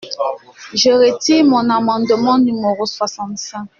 Je retire mon amendement numéro soixante-cinq.